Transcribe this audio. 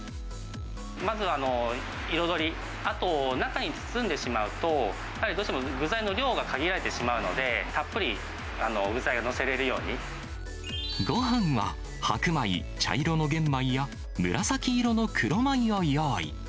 まずは彩り、あと、中に包んでしまうと、やはりどうしても具材の量が限られてしまうので、たっぷり具材をごはんは白米、茶色の玄米や、紫色の黒米を用意。